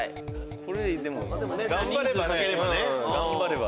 これでも頑張ればね。